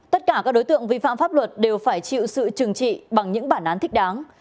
tất cả các đối tượng vi phạm pháp luật đều phải chịu sự trừng trị bằng những bản án thích đáng